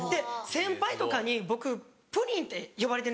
先輩とかに僕プリンって呼ばれてるんですよ。